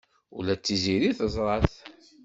Ula d Tiziri teẓra-t.